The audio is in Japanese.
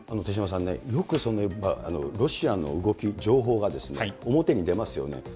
手嶋さんね、よく、ロシアの動き、情報が表に出ますよね。